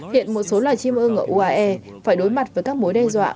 hiện một số loài chim ưng ở uae phải đối mặt với các mối đe dọa